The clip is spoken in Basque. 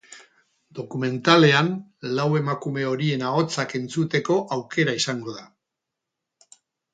Dokumentalean lau emakume horien ahotsak entzuteko aukera izango da.